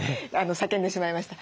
叫んでしまいました。